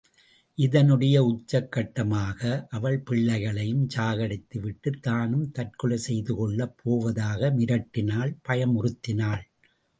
இதனுடைய உச்சக்கட்டமாக அவள் பிள்ளைகளையும் சாகடித்து விட்டுத் தானும் தற்கொலை செய்து கொள்ளப் போவதாக மிரட்டினாள் பயமுறுத்தினாள்.